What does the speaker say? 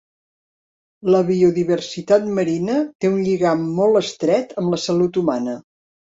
La biodiversitat marina té un lligam molt estret amb la salut humana.